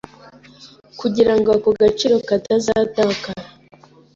kugira ngo ako gaciro katazatakara